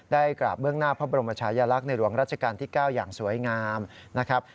กราบเบื้องหน้าพระบรมชายลักษณ์ในหลวงราชการที่๙อย่างสวยงามนะครับ